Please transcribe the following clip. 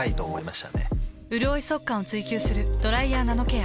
うるおい速乾を追求する「ドライヤーナノケア」。